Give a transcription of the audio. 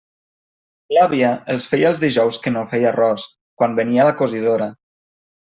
L'àvia els feia els dijous que no feia arròs, quan venia la cosidora.